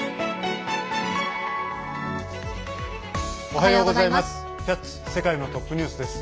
おはようございます。